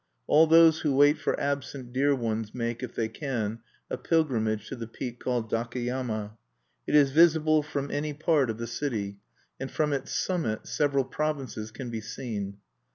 All those who wait for absent dear ones make, if they can, a pilgrimage to the peak called Dakeyama. It is visible from any part of the city; and from its summit several provinces can be seen.